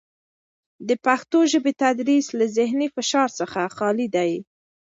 د پښتو ژبې تدریس له زهني فشار څخه خالي دی.